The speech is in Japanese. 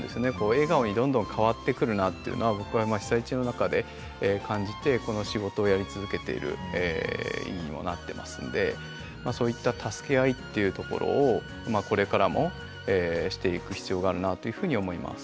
笑顔にどんどん変わってくるなっていうのは僕は被災地の中で感じてこの仕事をやり続けている意義にもなってますんでそういった助け合いっていうところをこれからもしていく必要があるなというふうに思います。